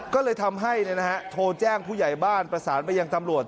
ก็เลยทำให้โทรแจ้งผู้ใหญ่บ้านประสานไปยังตำรวจ